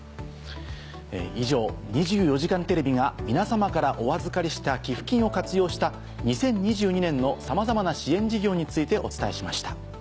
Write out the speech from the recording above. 以上『２４時間テレビ』が皆さまからお預かりした寄付金を活用した２０２２年のさまざまな支援事業についてお伝えしました。